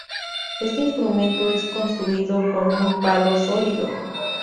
Este instrumento es construido con un palo sólido.